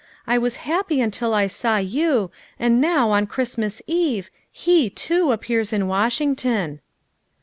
I was happy until I saw you, and now, on Christmas Eve, he too appears in Washington.